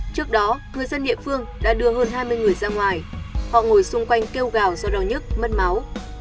trước đó người dân địa phương đã đưa hơn hai mươi người ra ngoài họ ngồi xung quanh kêu gào do đau nhức mất máu